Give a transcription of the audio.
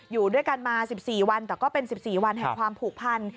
อยู่ด้วยกันมา๑๔วันแต่ก็เป็น๑๔วันแห่งความผูกพัน